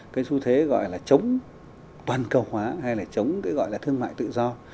cái xu thế gọi là chống toàn cầu hóa hay là chống cái gọi là thương mại tự do